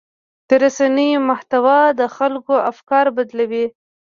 د رسنیو محتوا د خلکو افکار بدلوي.